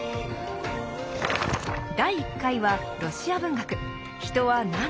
第１回はロシア文学。